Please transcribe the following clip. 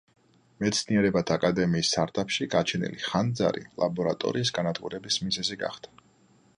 მეცნიერებათა აკადემიის სარდაფში გაჩენილი ხანძარი ლაბორატორიის განადგურების მიზეზი გახდა.